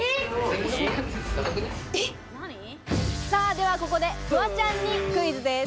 ではここでフワちゃんにクイズです。